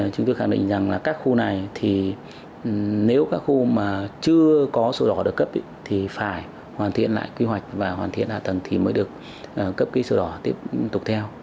chúng tôi khẳng định rằng là các khu này thì nếu các khu mà chưa có sổ đỏ được cấp thì phải hoàn thiện lại kế hoạch và hoàn thiện hạ tầng thì mới được cấp ký sổ đỏ tiếp tục theo